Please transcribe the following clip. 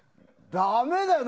ダメだよ！